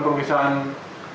ketika kita melakukan pemeriksaan